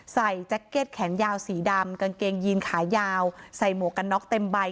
แจ็คเก็ตแขนยาวสีดำกางเกงยีนขายาวใส่หมวกกันน็อกเต็มใบ